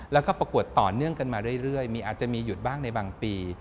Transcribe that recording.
แล้วก็ประกวดต่อเนื่องกันมาเรื่อยมีอาจจะมีหยุดบ้างในบางปี